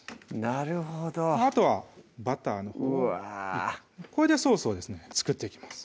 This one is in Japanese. なるほどあとはバターのほうをこれでソースをですね作っていきます